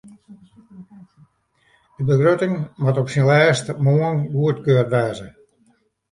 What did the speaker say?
De begrutting moat op syn lêst moarn goedkard wêze.